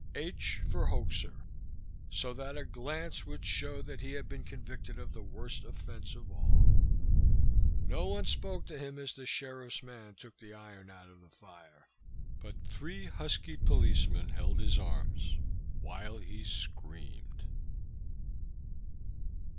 "H" for "hoaxer," so that a glance would show that he had been convicted of the worst offense of all. No one spoke to him as the sheriff's man took the iron out of the fire, but three husky policemen held his arms while he screamed.